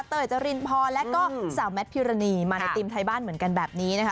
จรินพรและก็สาวแมทพิรณีมาในทีมไทยบ้านเหมือนกันแบบนี้นะคะ